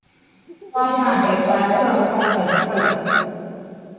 花瓣有白色或粉色的。